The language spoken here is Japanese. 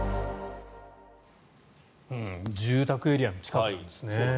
住宅エリアの近くなんですね。